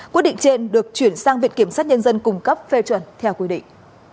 quyết định trên được chuyển sang viện kiểm sát nhân dân cung cấp phê chuẩn theo quy định